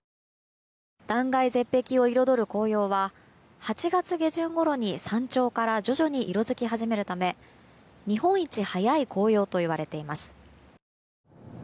断崖絶壁を彩る紅葉は８月下旬ごろに山頂から徐々に色づき始めるため日本一早い紅葉と呼ばれています。